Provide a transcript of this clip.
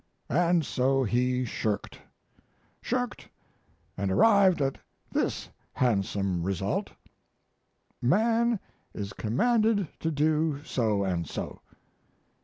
And so he shirked. Shirked, and arrived at this handsome result: Man is commanded to do so & so.